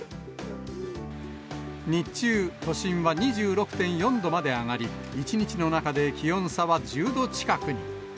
日中、都心は２６．４度まで上がり、１日の中で気温差は１０度近くに。